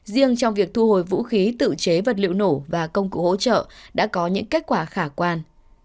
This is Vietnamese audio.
riêng trong việc thu hồi vũ khí tự chế vật liệu nổ và công cụ hỗ trợ đã có những kết quả khả quan